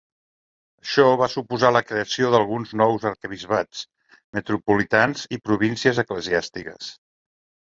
Això va suposar la creació d'alguns nous arquebisbats metropolitans i províncies eclesiàstiques.